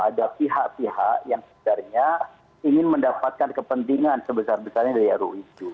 ada pihak pihak yang sebenarnya ingin mendapatkan kepentingan sebesar besarnya dari ru itu